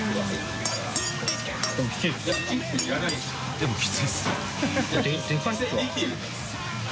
「でもきついっす」